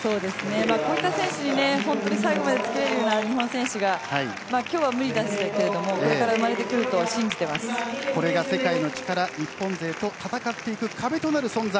こういった選手に本当に最後までつけるような日本選手が、きょうは無理でしたけれどもこれから生まれてくるとこれが世界の力、日本勢と戦っていく壁となる存在。